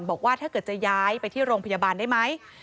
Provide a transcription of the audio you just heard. บอกว่าถ้าเกิดจะย้ายไปที่โรงพยาบาลได้ไหม